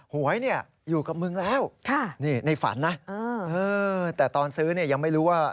หวยอยู่กับมึงแล้วในฝันนะแต่ตอนซื้อยังไม่รู้ว่า